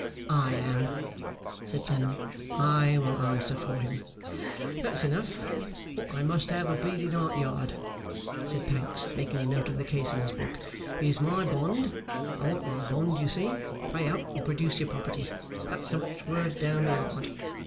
'I am,' said Clennam, 'and I will answer for him.' 'That's enough. What I must have of Bleeding Heart Yard,' said Pancks, making a note of the case in his book, 'is my bond. I want my bond, you see. Pay up, or produce your property! That's the watchword down the Yard.